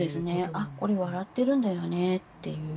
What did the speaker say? あっこれ笑ってるんだよねっていう。